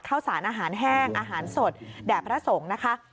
ข้าวสารอาหารแห้งอาหารสดแด่พระสงฆ์นะคะ